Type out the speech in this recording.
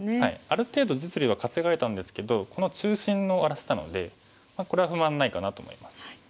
ある程度実利は稼がれたんですけどこの中心を荒らせたのでこれは不満ないかなと思います。